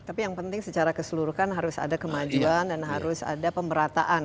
tapi yang penting secara keseluruhan harus ada kemajuan dan harus ada pemerataan